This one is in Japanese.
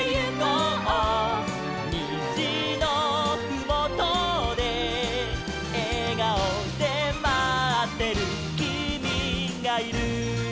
「にじのふもとでえがおでまってるきみがいる」